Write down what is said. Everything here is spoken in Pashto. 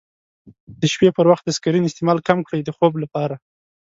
د شپې پر وخت د سکرین استعمال کم کړئ د خوب لپاره.